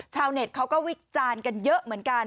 ชาวเน็ตเขาก็วิกจานกันเยอะเหมือนกัน